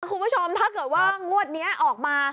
คุณผู้ชมถ้าเกิดว่างวดนี้ออกมา